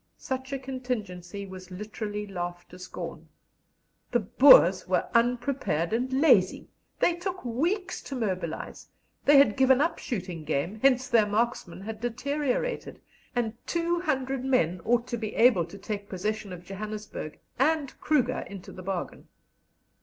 Such a contingency was literally laughed to scorn. "The Boers were unprepared and lazy; they took weeks to mobilize; they had given up shooting game, hence their marksmen had deteriorated; and 200 men ought to be able to take possession of Johannesburg and Kruger into the bargain."